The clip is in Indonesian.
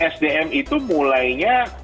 sdm itu mulainya